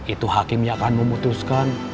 itu hakim yang akan memutuskan